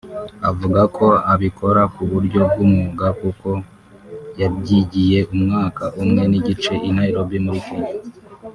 Avuga ko abikora ku buryo bw’umwuga kuko yabyigiye umwaka umwe n’igice i Nairobi mu muri Kenya